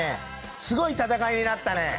すごい戦いになったね